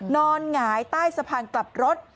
หงายใต้สะพานกลับรถ